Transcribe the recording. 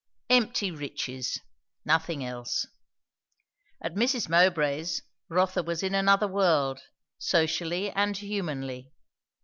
Empty riches! nothing else. At Mrs. Mowbray's Rotha was in another world, socially and humanly.